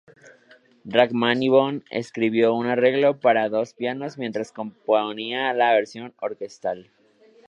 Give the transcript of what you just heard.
Rajmáninov escribió un arreglo para dos pianos mientras componía la versión orquestal.